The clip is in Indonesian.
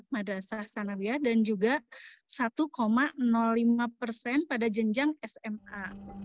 madrasah sanarya dan juga satu lima pada jenjang sma